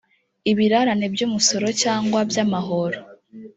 ibirarane by umusoro cyangwa by amahoro